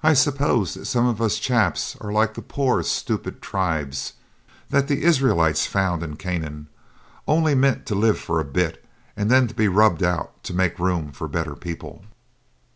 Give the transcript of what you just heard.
I suppose some of us chaps are like the poor stupid tribes that the Israelites found in Canaan, only meant to live for a bit and then to be rubbed out to make room for better people.